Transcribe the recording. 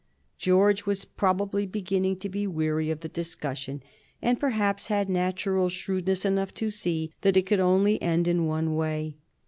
George was probably beginning to be weary of the discussion, and perhaps had natural shrewdness enough to see that it could only end in one way.